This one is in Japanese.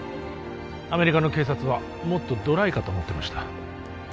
アメリカの警察はもっとドライかと思ってました